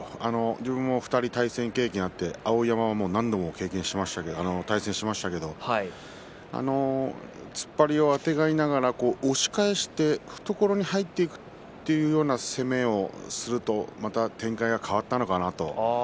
自分も２人、対戦経験があって碧山とも何度も対戦しましたが突っ張りをあてがいながら押し返して懐に入っていくというような攻めをするとまた展開が変わったのかなと。